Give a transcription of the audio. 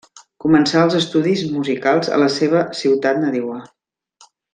Començà els estudis musicals en la seva ciutat nadiua.